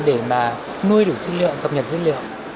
để mà nuôi được dữ liệu cập nhật dữ liệu